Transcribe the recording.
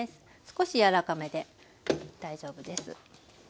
少し柔らかめで大丈夫です。